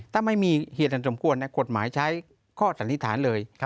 ถ้าไม่มีเหตุอันสมควรกฎหมายใช้ข้อสันนิษฐานเลย